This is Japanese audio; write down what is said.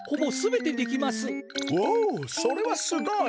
ほおそれはすごい！